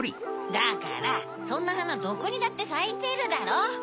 だからそんなはなどこにだってさいてるだろ？